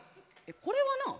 これはなあ？